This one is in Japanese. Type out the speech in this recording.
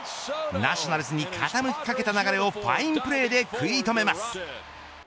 ナショナルズに傾きかけた流れをファインプレーで食い止めます。